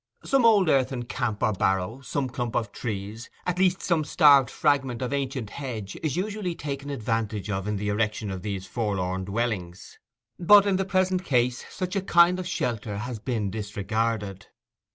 Some old earthen camp or barrow, some clump of trees, at least some starved fragment of ancient hedge is usually taken advantage of in the erection of these forlorn dwellings. But, in the present case, such a kind of shelter had been disregarded.